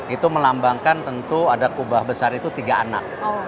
itu melambangkan tentu ada kubah besar itu tiga anak